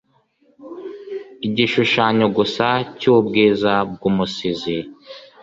Igishushanyo gusa cyubwiza bwumusizi